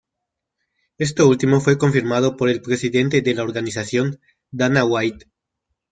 Esto último fue confirmado por el presidente de la organización, Dana White.